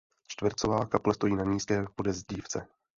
Čtvercová kaple stojí na nízké podezdívce.